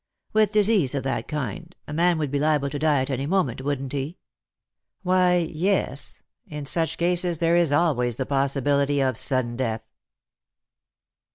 With disease of that kind a man would be liable to die at any moment, wouldn't he ?"" Why— yes— in such cases there is always the possibility of sudden death."